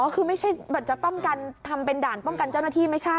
คือไม่ใช่แบบจะป้องกันทำเป็นด่านป้องกันเจ้าหน้าที่ไม่ใช่